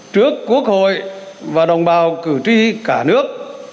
trước quốc hội và đồng bào cử tri cả nước